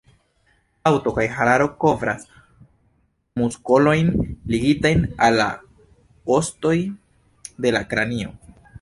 Haŭto kaj hararo kovras muskolojn ligitajn al la ostoj de la kranio.